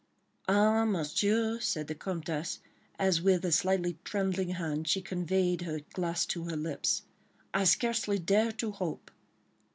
"Ah, Monsieur," said the Comtesse, as with a slightly trembling hand she conveyed her glass to her lips, "I scarcely dare to hope."